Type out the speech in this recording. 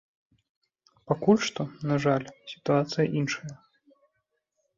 Пакуль што, на жаль, сітуацыя іншая.